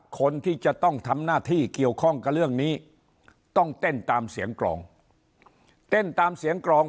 คนที่จะต้องทำหน้าที่เกี่ยวข้องกับเรื่องนี้ต้องเต้นตามเสียงกรอง